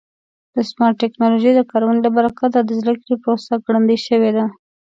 د سمارټ ټکنالوژۍ د کارونې له برکته د زده کړې پروسه ګړندۍ شوې ده.